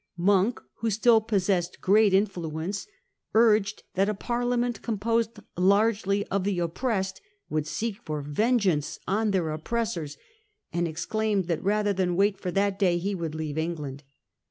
Monk, who still possessed great influence, urged that a Parlia ment composed largely of the oppressed would seek for vengeance on their oppressors, and exclaimed that rather than wait for that day he would leave England.